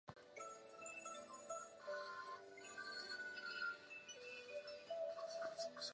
王乃拜辞天地祖宗。